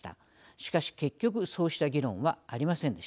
しかし結局そうした議論はありませんでした。